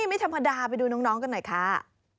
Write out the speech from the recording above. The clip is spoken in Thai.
ไม่ธรรมดาไปดูน้องกันหน่อยค่ะ